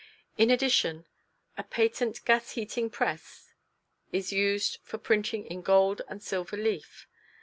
In addition, a patent gas heating press is used for printing in gold and silver leaf.